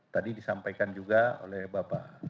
tadi disampaikan juga oleh bapak